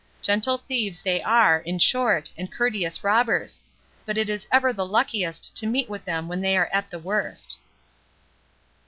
Gentle thieves they are, in short, and courteous robbers; but it is ever the luckiest to meet with them when they are at the worst."